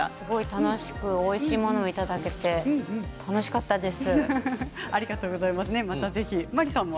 楽しくおいしいものもいただけて楽しかったです。